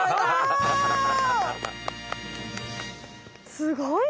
すごいね。